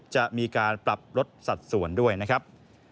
จะมีการปรับลดสัดส่วนด้วยนะครับ